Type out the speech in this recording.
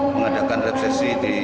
mengadakan resesi di